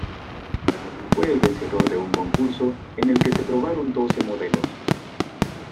Fue el vencedor de un concurso en el que se probaron doce modelos.